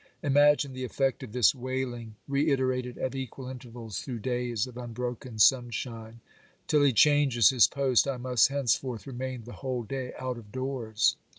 Imagine the effect of this wailing reiterated at equal intervals through days of un broken sunshine. Till he changes his post, I must hence forth remain the whole day out of doors.